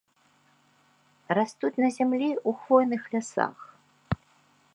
Растуць на зямлі ў хвойных лясах.